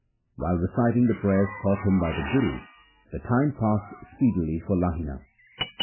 While reciting the prayers taught him by the Guru, the time passed speedily for Lahina.